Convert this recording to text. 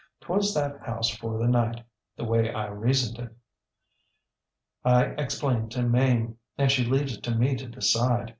ŌĆÖTwas that house for the night, the way I reasoned it. I explained to Mame, and she leaves it to me to decide.